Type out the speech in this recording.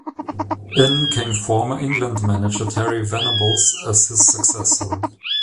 In came former England manager Terry Venables as his successor.